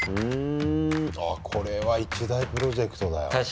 これは一大プロジェクトだよ。